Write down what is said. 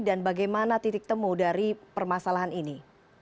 dan bagaimana titik temu dari permasalahan ini